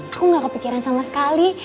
aku gak kepikiran sama sekali